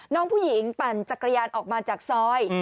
น้องผู้หญิงปั่นจักรยานออกมาจากซอย